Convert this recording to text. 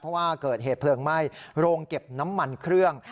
เพราะว่าเกิดเหตุเพลิงไหม้โรงเก็บน้ำมันเครื่อง